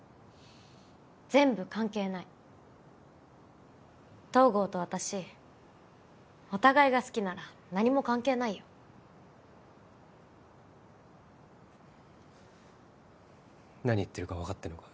全部関係ない東郷と私お互いが好きなら何も関係ないよ何言ってるか分かってるのか？